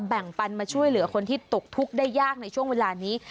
แบ่งปันมาช่วยเหลือคนที่ตกทุกข์ได้ยากในช่วงเวลานี้